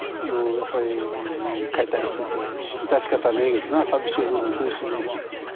やっぱり解体してて致し方ねえけどな寂しい思いもするしね。